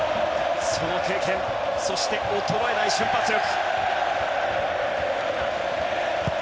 その経験そして衰えない瞬発力。